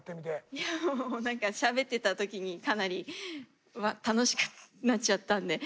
いやもう何かしゃべってた時にかなり楽しくなっちゃったんで。